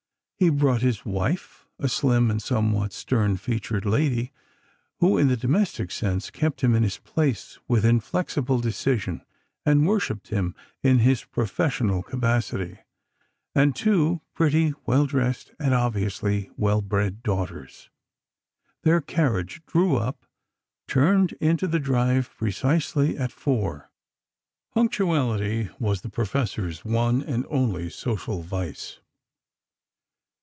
He brought his wife, a slim and somewhat stern featured lady, who, in the domestic sense, kept him in his place with inflexible decision, and worshipped him in his professional capacity, and two pretty, well dressed, and obviously well bred daughters. Their carriage drew up, turned into the drive precisely at four. Punctuality was the Professor's one and only social vice.